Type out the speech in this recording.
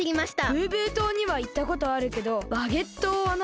ブーブー島にはいったことあるけどバゲッ島はないな。